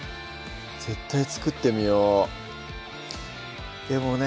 絶対作ってみようでもね